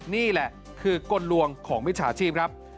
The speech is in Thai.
นี่แหละคือกลลวงของมิจฉาชีพครับ